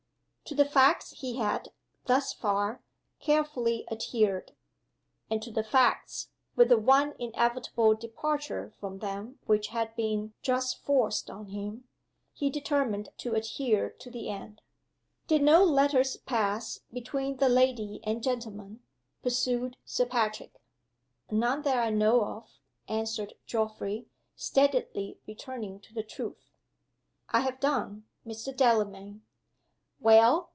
To the facts he had, thus far, carefully adhered; and to the facts (with the one inevitable departure from them which had been just forced on him) he determined to adhere to the end. "Did no letters pass between the lady and gentleman?" pursued Sir Patrick. "None that I know of," answered Geoffrey, steadily returning to the truth. "I have done, Mr. Delamayn." "Well?